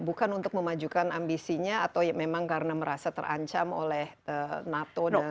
bukan untuk memajukan ambisinya atau memang karena merasa terancam oleh nato